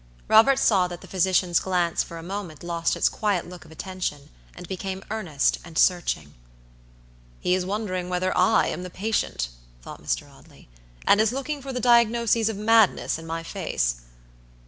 Robert saw that the physician's glance for a moment lost its quiet look of attention, and became earnest and searching. "He is wondering whether I am the patient," thought Mr. Audley, "and is looking for the diagnoses of madness in my face."